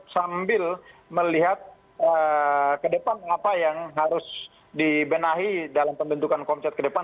sambil melihat ke depan apa yang harus dibenahi dalam pembentukan komcat ke depan